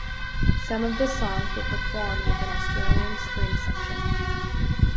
Some of the songs were performed with an Australian string section.